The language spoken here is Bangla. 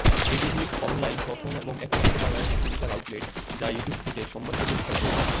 এনটিভি অনলাইন প্রথম এবং একমাত্র বাংলাদেশি ডিজিটাল আউটলেট যা ইউটিউব থেকে সম্মানিত পুরস্কার পেয়েছে।